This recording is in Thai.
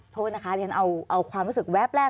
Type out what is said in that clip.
โทษนะคะเรียนเอาความรู้สึกแวบแรก